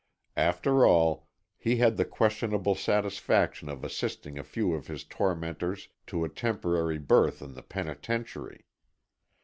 After all, he had the questionable satisfaction of assisting a few of his tormentors to a temporary berth in the penitentiary.